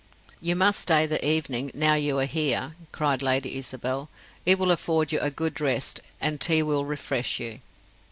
"You must stay the evening, now you are here," cried Lady Isabel. "It will afford you a good rest; and tea will refresh you."